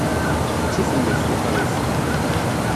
Ttif nnif, lexṛif.